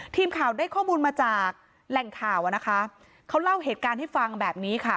ทีมข่าวได้ข้อมูลมาจากแหล่งข่าวอ่ะนะคะเขาเล่าเหตุการณ์ให้ฟังแบบนี้ค่ะ